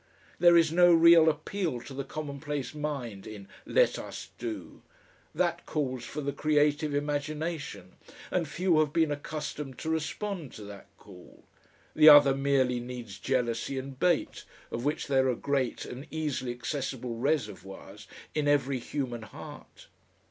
There is no real appeal to the commonplace mind in "Let us do." That calls for the creative imagination, and few have been accustomed to respond to that call. The other merely needs jealousy and bate, of which there are great and easily accessible reservoirs in every human heart....